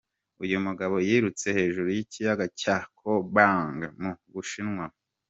Uyu mugabo yirutse hejuru y'ikiyaga cya Coabang mu bushinwa.